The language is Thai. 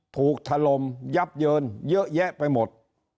ถูกทะลมเยอะแยะไปหมด